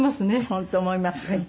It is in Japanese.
本当思います。